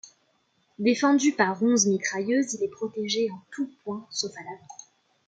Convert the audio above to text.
Défendu par onze mitrailleuses, il est protégé en tout point sauf à l'avant.